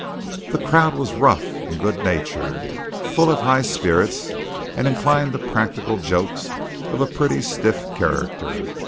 The crowd was rough and good natured, full of high spirits, and inclined to practical jokes of a pretty stiff character.